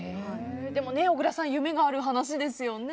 でも、小倉さん夢がある話ですよね。